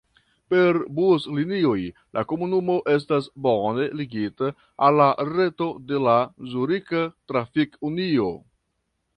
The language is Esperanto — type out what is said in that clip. Per buslinioj la komunumo estas bone ligita al la reto de la Zurika Trafik-Unio.